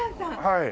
はい。